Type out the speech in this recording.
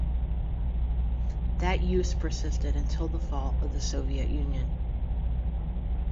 That use persisted until the fall of the Soviet Union.